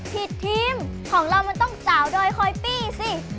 ทีมของเรามันต้องสาวดอยคอยปี้สิ